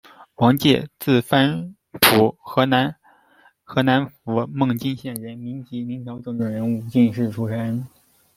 王价，字藩甫，河南河南府孟津县人，民籍，明朝政治人物、进士出身。